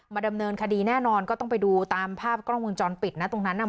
ดำเนินคดีแน่นอนก็ต้องไปดูตามภาพกล้องวงจรปิดนะตรงนั้นน่ะ